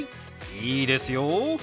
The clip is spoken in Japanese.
いいですよ。